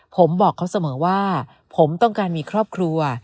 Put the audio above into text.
ผมบอกเขาเสมอว่าผมต้องการมีครอบครัว